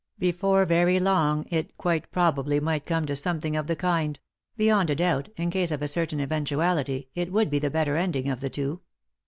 Before very long it quite probably might come to something of the kind — beyond a doubt, in case of a certain eventuality, it would be the better ending of the two.